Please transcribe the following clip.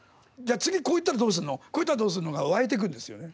次、こういったらどうするのこういったらどうするのが湧いてくるんですよね。